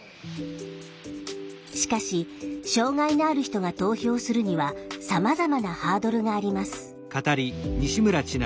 しかし障害のある人が投票するにはさまざまなハードルがあります。